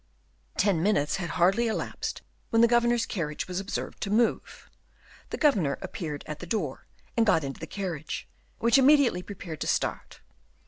Ten minutes had hardly elapsed when the governor's carriage was observed to move. The governor appeared at the door, and got into the carriage, which immediately prepared to start.